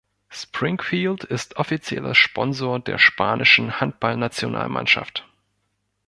Springfield ist offizieller Sponsor der spanischen Handball-Nationalmannschaft.